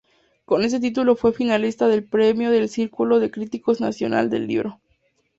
Con este título fue finalista del Premio del Círculo de Críticos Nacional del Libro.